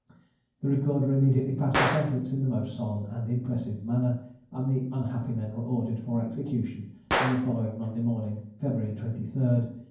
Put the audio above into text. The recorder immediately passed sentence in the most solemn and impressive manner, and the unhappy men were ordered for execution on the following Monday morning, February the 23rd, 1807.